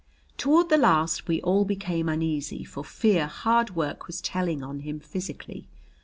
Toward the last we all became uneasy for fear hard work was telling on him physically.